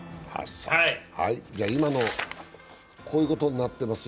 今こういうことになっています。